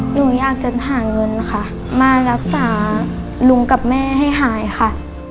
หนูอยากจะหาเงินค่ะมารักษาลุงกับแม่ให้หายค่ะ